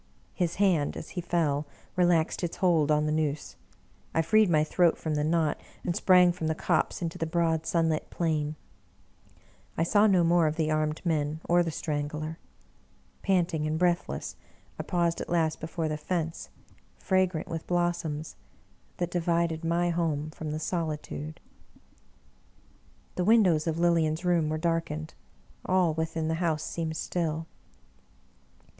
His hand, as he fell, relaxed its hold on the noose ; I freed my throat from the knot, and sprang from the copse into the broad lOI English Mystery Stories sunlit plain. I saw no more of the armed men or the Strangler. Panting and breathless, I paused at last before the fence, fragrant with blossoms, that divided my home from the solitude. The windows of Lilian's room were darkened ; all within the house seemed still.